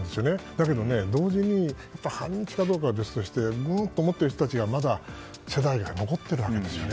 だけど、同時に反日かどうかは別として、うーんと思っている人たちというか世代が残っているんですよね。